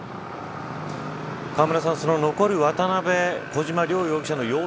川村さん残る渡辺、小島両容疑者の様子